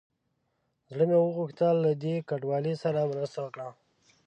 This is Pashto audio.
زړه مې وغوښتل له دې کنډوالې سره مرسته وکړم.